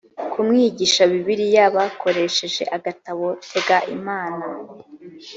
kumwigisha bibiliya bakoresheje agatabo tega imana